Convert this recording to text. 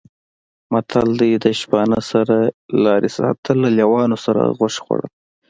متل دی: د شپانه سره لارې ساتل، له لېوانو سره غوښې خوړل